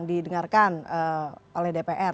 didengarkan oleh dpr